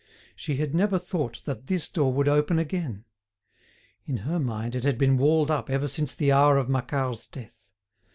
She had never thought that this door would open again. In her mind it had been walled up ever since the hour of Macquart's death.